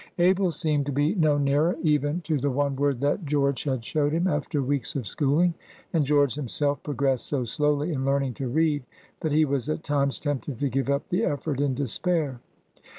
Abel seemed to be no nearer even to the one word that George had showed him, after weeks of "schooling," and George himself progressed so slowly in learning to read that he was at times tempted to give up the effort in despair.